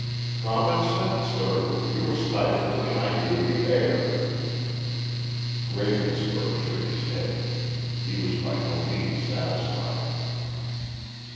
"Common sense, sir. You were stifling and I gave you air." Ravenspur shook his head. He was by no means satisfied.